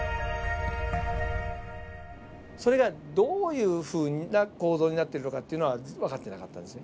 それがどういうふうな構造になっているのかっていうのは分かってなかったんですね。